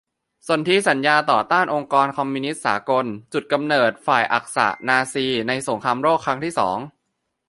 สนธิสัญญาต่อต้านองค์การคอมมิวนิสต์สากล จุดกำเนิด ฝ่ายอักษะ-นาซี ใน สงครามโลกครั้งที่สอง